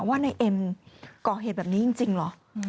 ว่านายเอ็มก่อเหตุแบบนี้จริงเหรอ